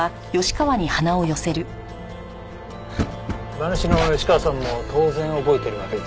馬主の吉川さんも当然覚えてるわけですね。